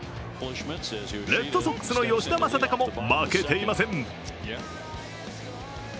レッドソックスの吉田正尚も負けていません。